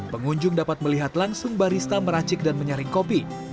pengunjung dapat melihat langsung barista meracik dan menyaring kopi